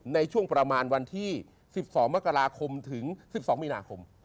ในช่วงประมาณวันที่๑๒มกราคมถึง๑๒มีนาคม